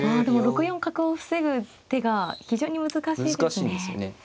でも６四角を防ぐ手が非常に難しいですね。